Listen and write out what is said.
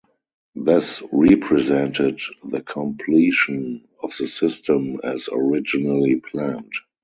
This represented the completion of the system as originally planned.